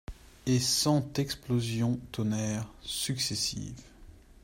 Et cent explosions tonnèrent, successives.